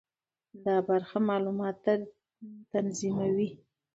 دا برخه معلومات تنظیموي.